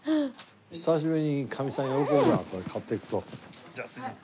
久しぶりにかみさん喜ぶなこれ買っていくと。